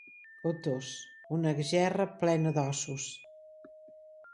Otos, una gerra plena d'ossos.